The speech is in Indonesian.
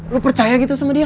lu percaya gitu sama dia